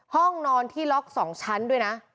ห้องนอนที่ล็อก๒ชั้นด้วยนะ